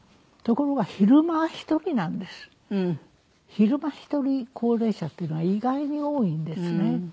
昼間１人高齢者っていうのは意外に多いんですね。